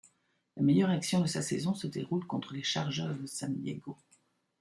La meilleure action de sa saison se déroule contre les Chargers de San Diego.